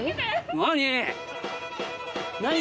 何？